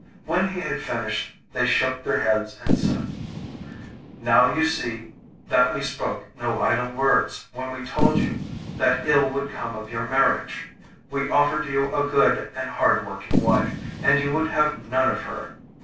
When he had finished they shook their heads and said: 'Now you see that we spoke no idle words when we told you that ill would come of your marriage! We offered you a good and hard working wife, and you would have none of her.